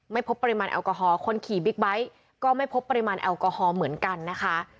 ไม่พบปริมาณแอลกอฮอลคนขี่บิ๊กไบท์ก็ไม่พบปริมาณแอลกอฮอลเหมือนกันนะคะ